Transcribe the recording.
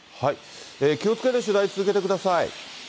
気をつけて取材を続けてください。